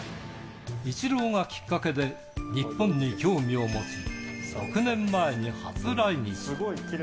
イチローがきっかけで日本に興味を持ち、６年前に初来日。